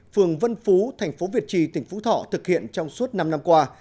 phường vân phú thành phố việt trì tỉnh phú thọ thực hiện trong suốt năm năm qua